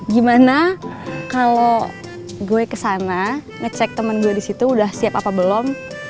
gimana kalau gue kesana ngecek temen gue disitu udah siap apa belum